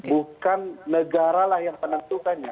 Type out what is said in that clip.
dan bukan negara lah yang menentukannya